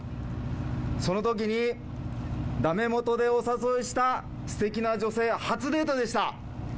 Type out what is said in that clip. そのときに、だめもとでお誘いしたすてきな女性、初デートでした。